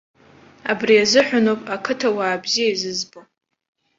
Абри азыҳәаноуп ақыҭауаа бзиа изызбо.